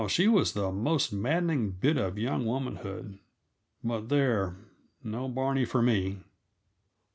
Oh, she was the most maddening bit of young womanhood But, there, no Barney for me.